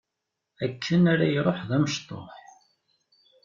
Akken ara iruḥ d amecṭuḥ.